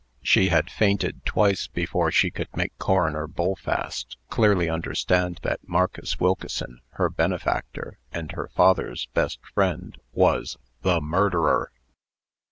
She had fainted twice before she could make Coroner Bullfast clearly understand that Marcus Wilkeson, her benefactor, and her father's best friend, was THE MURDERER.